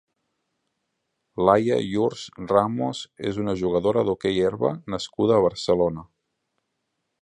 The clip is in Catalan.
Laia Yurss Ramos és una jugadora d'hoquei herba nascuda a Barcelona.